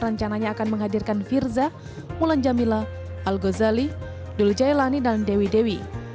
rencananya akan menghadirkan firza mulan jamila al ghazali duljailani dan dewi dewi